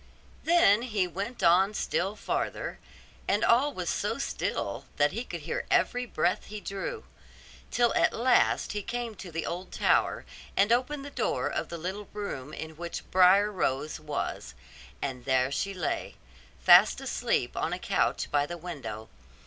Then he went on still farther, and all was so still that he could hear every breath he drew; till at last he came to the old tower, and opened the door of the little room in which Briar Rose was; and there she lay, fast asleep on a couch by the window.